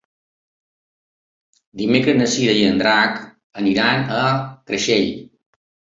Dimecres na Cira i en Drac iran a Creixell.